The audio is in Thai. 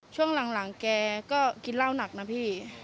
ช่วงหลังแกก็กินเหล้าหนักนะพี่